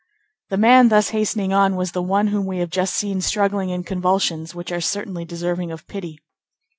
The man thus hastening on was the one whom we have just seen struggling in convulsions which are certainly deserving of pity.